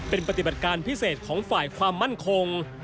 เป็นปฏิบัติการพิเศษของฝ่ายความมั่นคง